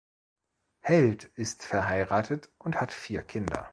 Heldt ist verheiratet und hat vier Kinder.